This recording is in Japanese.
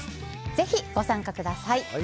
ぜひご参加ください。